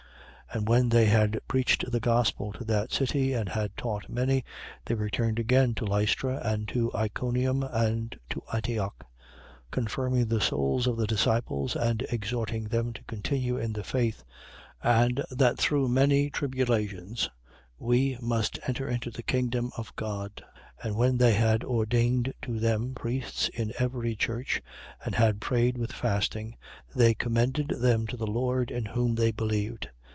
14:20. And when they had preached the gospel to that city and had taught many, they returned again to Lystra and to Iconium and to Antioch: 14:21. Confirming the souls of the disciples and exhorting them to continue in the faith: and that through many tribulations we must enter into the kingdom of God. 14:22. And when they had ordained to them priests in every church and had prayed with fasting, they commended them to the Lord, in whom they believed.